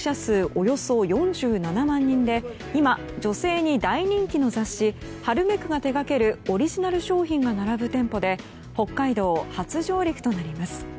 およそ４７万人で今、女性に大人気の雑誌「ハルメク」が手掛けるオリジナル商品が並ぶ店舗で北海道初上陸となります。